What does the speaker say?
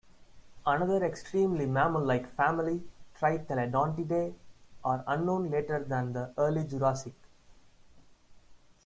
Another extremely mammal-like family, Tritheledontidae, are unknown later than the Early Jurassic.